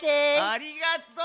ありがとう！